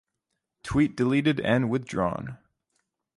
Tweet deleted and withdrawn.